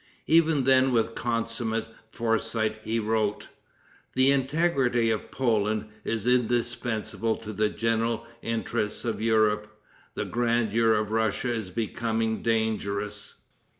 Even then with consummate foresight he wrote: "The integrity of Poland is indispensable to the general interests of Europe. The grandeur of Russia is becoming dangerous."